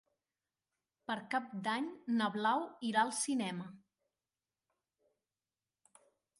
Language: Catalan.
Per Cap d'Any na Blau irà al cinema.